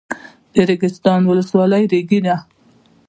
ریګستان ولسوالۍ ریګي ده؟